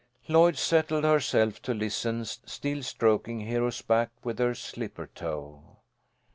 Lloyd settled herself to listen, still stroking Hero's back with her slipper toe.